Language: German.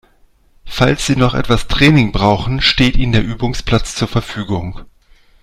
Falls Sie noch etwas Training brauchen, steht Ihnen der Übungsplatz zur Verfügung.